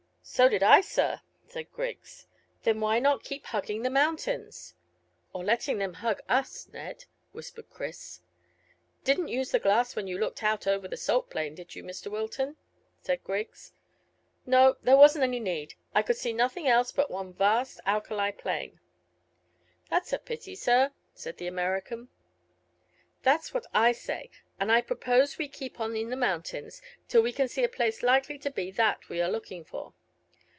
"So did I, sir," said Griggs. "Then why not keep hugging the mountains?" "Or letting them hug us, Ned," whispered Chris. "Didn't use the glass when you looked out over the salt plain, did you, Mr Wilton?" said Griggs. "No; there wasn't any need. I could see nothing else but one vast alkali plain." "That's a pity, sir," said the American. "That's what I say, and I propose that we keep on in the mountains till we can see a place likely to be that we are looking for."